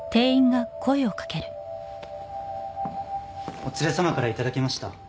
お連れさまからいただきました